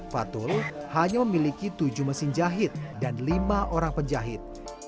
fatul hanya memiliki tujuh mesin jahit dan lima orang penjahit